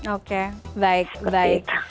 oke baik baik